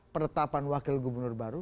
perletapan wakil gubernur baru